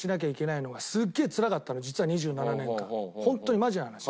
実は２７年間ホントにマジな話。